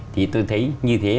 thì tôi thấy như thế